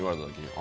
あ？